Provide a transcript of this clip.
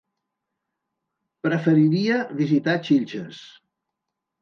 Preferiria visitar Xilxes.